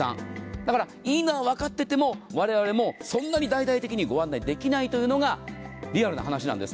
だから、いいのは分かっていてもわれわれもそんなに大々的にご案内できないというのがリアルな話なんです。